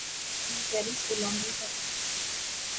তিনি প্যারিস ও লন্ডন সফর করেন।